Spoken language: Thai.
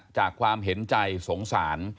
ความเห็นใจสงสาร